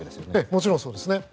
もちろんそうですね。